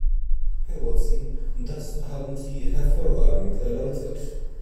Herr Watson, das haben Sie hervorragend erläutert.